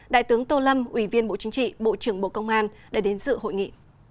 đại tướng tô lâm ủy viên bộ chính trị bộ trưởng bộ công an đã đến sự hội nghị